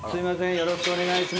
よろしくお願いします。